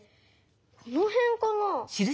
このへんかな？